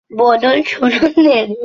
বুধো গাড়োয়ান বলল-সে হবে না ব্যাটারা।